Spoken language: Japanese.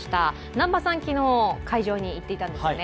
南波さん、昨日会場に行っていたんですよね。